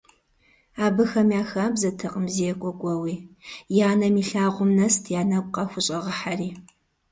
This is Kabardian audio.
Абыхэм я хабзэтэкъым зекӀуэ кӀуэуи, я нэм илъагъум нэст я нэгу къахущӀэгъыхьэри.